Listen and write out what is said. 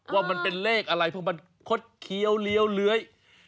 ว่ามันเป็นเลขอะไรเพราะมันคดเคี้ยวเลี้ยวเลื้อย